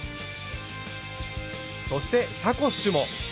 そして「サコッシュ」も。